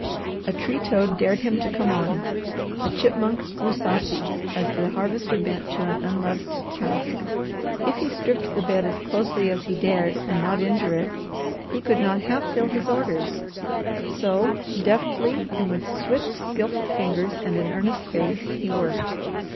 A tree toad dared him to come on; a chipmunk grew saucy as the Harvester bent to an unloved task. If he stripped the bed as closely as he dared and not injure it, he could not fill half his orders; so, deftly and with swift, skilful fingers and an earnest face, he worked.